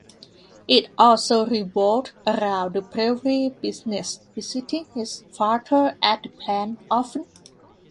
It also revolved around the brewery business, visiting his father at the plant often.